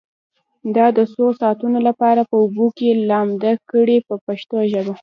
دا د څو ساعتونو لپاره په اوبو کې لامده کړئ په پښتو ژبه.